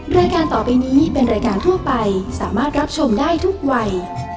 รายการต่อไปนี้เป็นรายการทั่วไปสามารถรับชมได้ทุกวัย